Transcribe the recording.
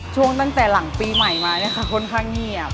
ช่วงตั้งแต่หลังปีใหม่มายังค่อนข้างเงียบ